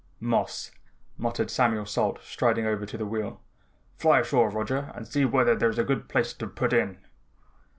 "Moss," muttered Samuel Salt striding over to the wheel. "Fly ashore Roger and see whether there's a good place to put in."